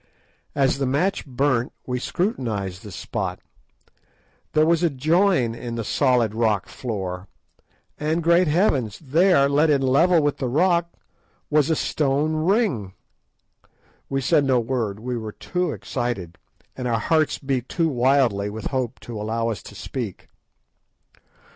As the match burnt we scrutinised the spot. There was a join in the solid rock floor, and, great heavens! there, let in level with the rock, was a stone ring. We said no word, we were too excited, and our hearts beat too wildly with hope to allow us to speak.